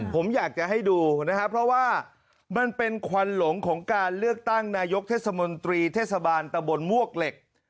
ผมอยากจะให้ดูนะครับเพราะว่ามันเป็นควันหลงของการเลือกตั้งนายกเทศมนตรีเทศบาลตะบนมวกเหล็ก